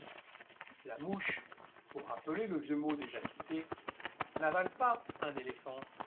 La mouche, pour rappeler le vieux mot déjà cité, n'avale pas un éléphant.